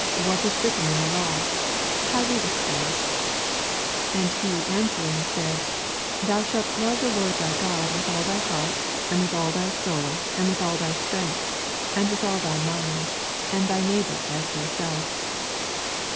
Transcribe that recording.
What is writ ten in the law ? how readest thou ? 27 And he answering said, Thou •halt love the Lord thy God with all 16 thy heart, and with all thy sonL and with all thy strength, and witn all thy mind ; and thy neighbor as thy self.